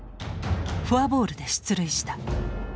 フォアボールで出塁した。